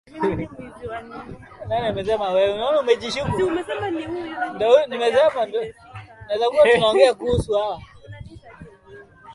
Wanyama hao hula majani machanga ya miti ya mikungu na mipera